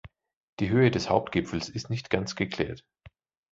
Die Höhe des Hauptgipfels ist nicht ganz geklärt.